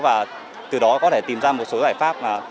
và từ đó có thể tìm ra một số giải pháp